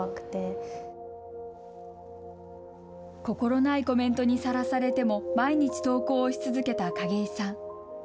心ないコメントにさらされても、毎日投稿をし続けた景井さん。